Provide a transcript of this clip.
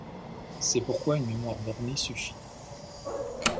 C'est pourquoi une mémoire bornée suffit.